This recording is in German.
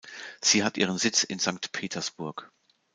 Sie hat ihren Sitz in Sankt Petersburg.